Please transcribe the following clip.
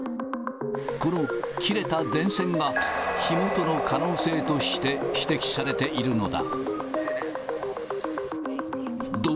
この切れた電線が、火元の可能性として指摘されているのだ。